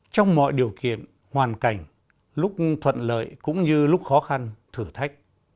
trong mọi điều kiện hoàn cảnh lúc thuận lợi cũng như lúc khó khăn thử thách